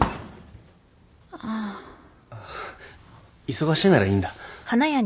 忙しいならいいんだ。